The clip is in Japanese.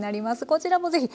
こちらもぜひ。